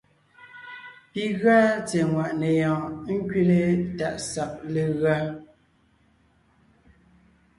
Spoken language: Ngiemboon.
Pi gʉa tsɛ̀ɛ ŋwàʼne yɔɔn ńkẅile tàʼ sag legʉa.